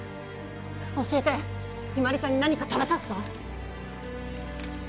教えて日葵ちゃんに何か食べさせた？